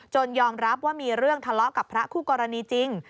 ยอมรับว่ามีเรื่องทะเลาะกับพระคู่กรณีจริง